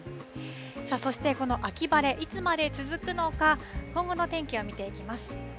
そしてこの秋晴れ、いつまで続くのか、今後の天気を見ていきます。